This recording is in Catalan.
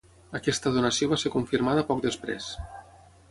Aquesta donació va ser confirmada poc després.